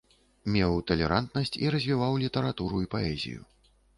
Меў талерантнасць і развіваў літаратуру і паэзію.